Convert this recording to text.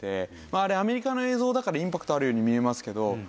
あれアメリカの映像だからインパクトあるように見えますけど。